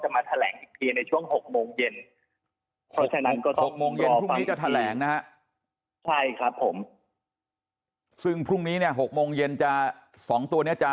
๖โมงเย็นพรุ่งนี้จะแทรง